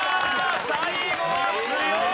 最後は強い！